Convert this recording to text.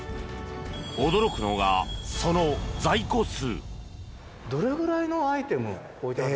驚くのが、その在庫数。